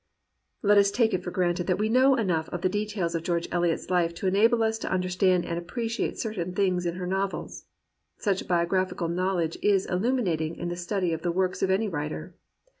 Let us take it for granted that we know enough of the details of Greorge Eliot*s life to enable us to understand and appreciate certain things in her novels. Such biographical knowledge is illuminat ing in the study of the works of any writer.